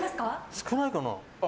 少ないかな？